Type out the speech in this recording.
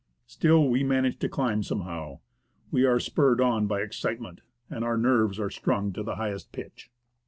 Still, we manage to climb somehow ; we are spurred on by excitement, and our nerves are strung to the highest pitch.